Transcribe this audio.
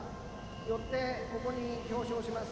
よって、ここに表彰します。